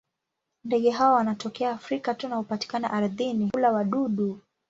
Ndege hawa wanatokea Afrika tu na hupatikana ardhini; hula wadudu.